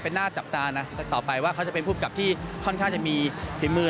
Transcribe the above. เป็นหน้าจับตานะต่อไปว่าเขาจะเป็นผู้กลับที่ค่อนข้างจะมีฝีมือ